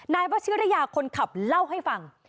นายวัชิรยาคนขับเล่าให้ฟัง